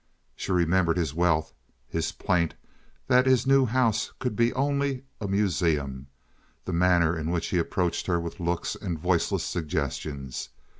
She remembered his wealth, his plaint that his new house could be only a museum, the manner in which he approached her with looks and voiceless suggestions.